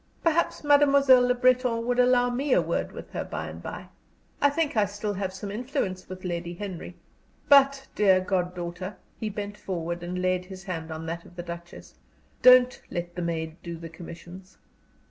"Perhaps Mademoiselle Le Breton will allow me a word with her by and by. I think I have still some influence with Lady Henry. But, dear goddaughter" he bent forward and laid his hand on that of the Duchess "don't let the maid do the commissions."